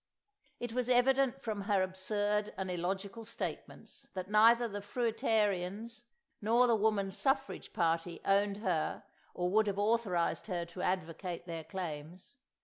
It was evident from her absurd and illogical statements that neither the Fruitarians nor the Woman's Suffrage party owned her or would have authorised her to advocate their claims.